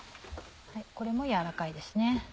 これも軟らかいですね。